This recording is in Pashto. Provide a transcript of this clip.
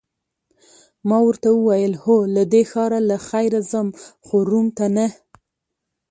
ما ورته وویل: هو، له دې ښاره له خیره ځم، خو روم ته نه.